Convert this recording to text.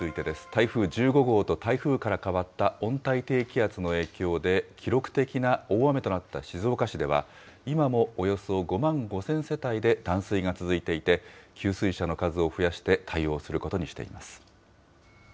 台風１５号と台風から変わった温帯低気圧の影響で、記録的な大雨となった静岡市では、今もおよそ５万５０００世帯で断水が続いていて、給水車の数を増やして対応することにしています。